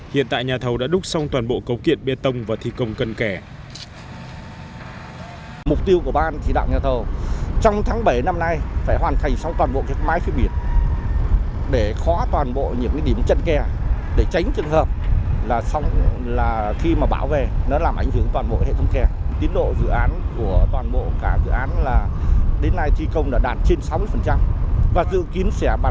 hiện tại nhà thầu đã đúc xong toàn bộ cấu kiện bê tông và thi công cân kẻ